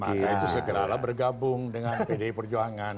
maka itu segeralah bergabung dengan pdi perjuangan